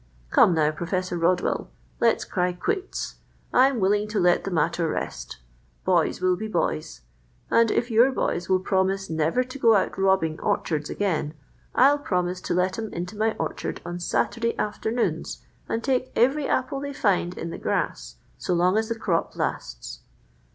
—Come, now, Professor Rodwell, let's cry quits. I'm willing to let the matter rest. Boys will be boys, and if your boys will promise never to go out robbing orchards again, I'll promise to let 'em into my orchard on Saturday afternoons and take every apple they find in the grass so long as the crop lasts."